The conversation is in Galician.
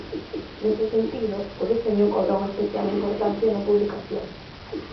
Nese sentido, o deseño cobra unha especial importancia na publicación.